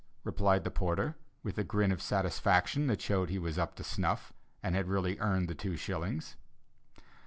replied the porter, with a grin of satisfaction that showed he was "up to snuff," and had really earned two shillings.